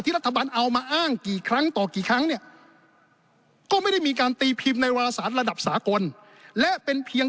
ที่รัฐบาลเอามาอ้างกี่ครั้งต่อกี่ครั้งเนี่ย